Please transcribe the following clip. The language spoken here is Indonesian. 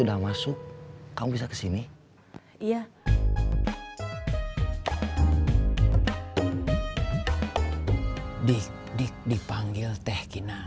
dia yang berani bawa keluarga ke sini